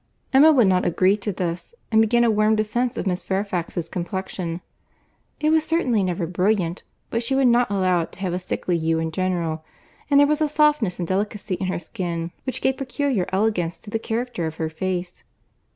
Emma would not agree to this, and began a warm defence of Miss Fairfax's complexion. "It was certainly never brilliant, but she would not allow it to have a sickly hue in general; and there was a softness and delicacy in her skin which gave peculiar elegance to the character of her face."